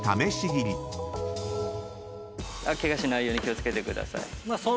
ケガしないように気を付けてください。